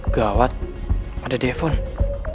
gawat ada di e phone